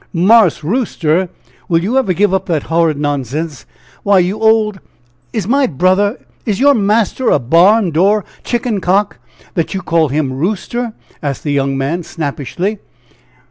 "'Marse Rooster!' Will you ever give up that horrid nonsense. Why, you old ! Is my brother is your master a barn door chicken cock, that you call him 'Rooster?'" asked the young man, snappishly.